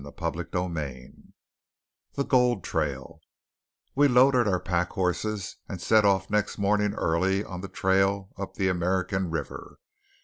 CHAPTER XV THE GOLD TRAIL We loaded our pack horses, and set off next morning early on the trail up the American River.